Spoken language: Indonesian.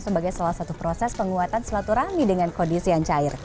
sebagai salah satu proses penguatan selaturahmi dengan kondisi yang cair